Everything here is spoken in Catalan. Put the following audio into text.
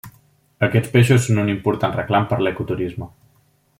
Aquests peixos són un important reclam per l'ecoturisme.